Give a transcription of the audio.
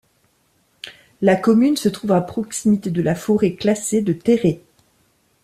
La commune se trouve à proximité de la forêt classée de Téré.